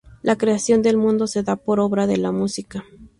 La creación del mundo se da por obra de la música.